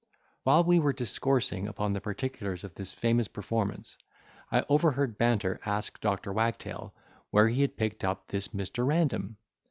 While we were discoursing upon the particulars of this famous performance, I overheard Banter ask Dr. Wagtail, where he had picked up this Mr. Random.